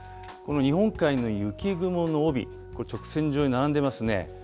この日本海の雪雲の帯、これ、直線状に並んでますね。